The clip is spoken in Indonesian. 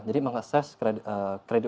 jadi mengakses kredit